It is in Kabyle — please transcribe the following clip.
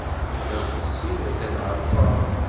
Adlis-iw atan ɣer Tom.